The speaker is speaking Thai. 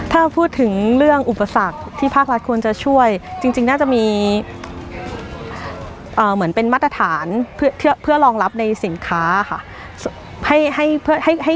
ถ้าพูดถึงเรื่องอุปสรรคที่ภาครัฐควรจะช่วยจริงน่าจะมีเหมือนเป็นมาตรฐานเพื่อรองรับในสินค้าค่ะ